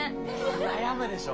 悩むでしょ？